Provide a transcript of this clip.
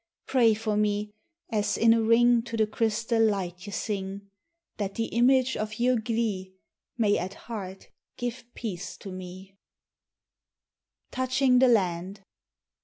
Pray for me, as in a ring To the crystal light ye sing, That the image of your glee May at heart give peace to me 1 TOUCHING THE LAND.